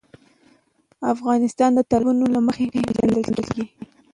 افغانستان د تالابونه له مخې پېژندل کېږي.